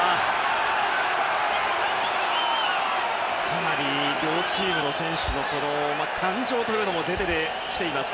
かなり両チームの選手の感情というのも出てきています